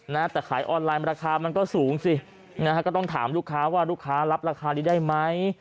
นะแต่ขายออนไลน์ราคามันก็สูงสินะฮะก็ต้องถามลูกค้าว่าลูกค้ารับราคานี้ได้ไหม